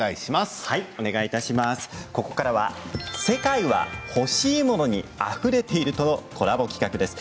ここからは「世界はほしいモノにあふれてる」とのコラボ企画です。